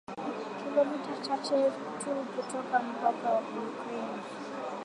kilomita chache tu kutoka mpaka wa Ukraine